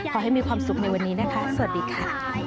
ขอให้มีความสุขในวันนี้นะคะสวัสดีค่ะ